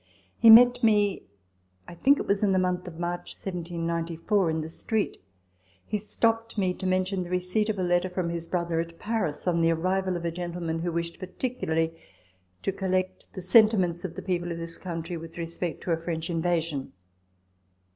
He met me, I think it was in the month of ii2 RECOLLECTIONS OF THE March 1794, in the street ; he stopped me to men tion the receipt of a letter from his brother at Paris, on the arrival of a gentlemen, who wished particu larly to collect the sentiments of the people of this country with respect to a French invasion.